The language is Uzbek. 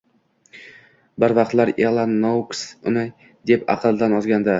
Bir vaqtlar Ella Nouks uni deb aqldan ozgandi